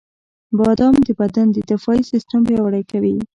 • بادام د بدن د دفاعي سیستم پیاوړی کوي.